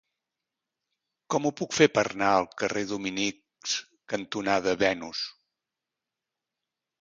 Com ho puc fer per anar al carrer Dominics cantonada Venus?